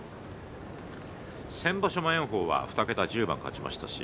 先場所も炎鵬は２桁１０番勝ちました。